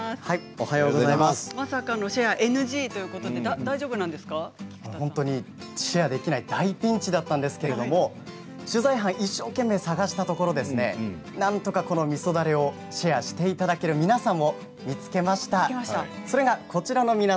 まさかのシェアＮＧということで本当にシェアできない大ピンチだったんですけれども取材班、一生懸命捜したところなんとかみそだれをシェアしていただける皆さんを見つけました。